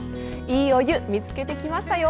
いいお湯見つけてきましたよ！